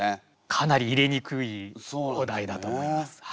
かなり入れにくいお題だと思います。